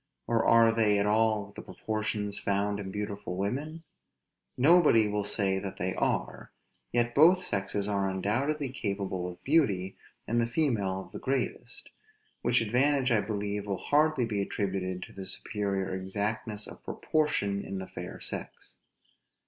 or are they at all the proportions found in beautiful women? Nobody will say that they are; yet both sexes are undoubtedly capable of beauty, and the female of the greatest; which advantage I believe will hardly be attributed to the superior exactness of proportion in the fair sex.